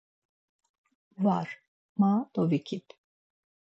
Var, ma dovikip.